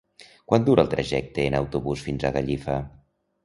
Quant dura el trajecte en autobús fins a Gallifa?